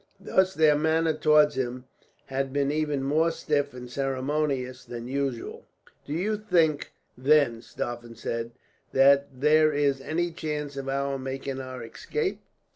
Thus their manner towards him had been even more stiff and ceremonious than usual. "Do you think, then," Stauffen said, "that there is any chance of our making our escape?"